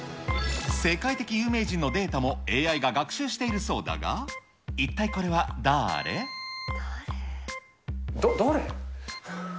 世界的有名人のデータもＡＩが学習しているそうだが、一体これは誰？